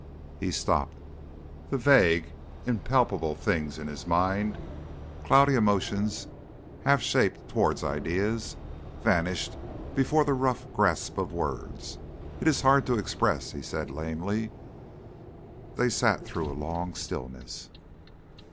He stopped. The vague, impalpable things in his mind, cloudy emotions half shaped towards ideas, vanished before the rough grasp of words. "It is hard to express," he said lamely. They sat through a long stillness.